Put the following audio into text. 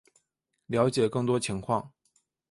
了解更多情况